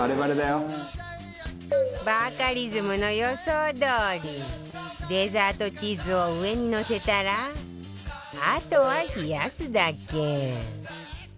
バカリズムの予想どおりデザートチーズを上にのせたらあとは冷やすだけ